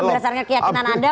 berdasarkan keyakinan anda